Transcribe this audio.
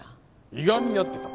いがみ合ってた？